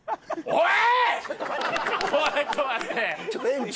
おい！